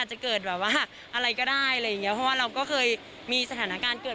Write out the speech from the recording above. จะเกิดแบบว่าอะไรก็ได้อะไรอย่างเงี้เพราะว่าเราก็เคยมีสถานการณ์เกิด